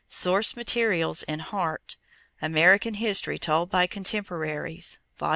Source materials in Hart, American History Told by Contemporaries, Vol.